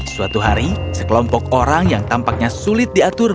suatu hari sekelompok orang yang tampaknya sulit diatur